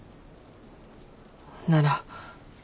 なら。